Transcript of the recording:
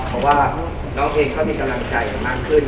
เพราะว่าน้องเองก็มีกำลังใจมากขึ้น